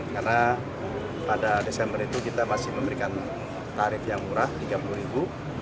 karena pada desember itu kita masih memberikan tarif yang murah rp tiga puluh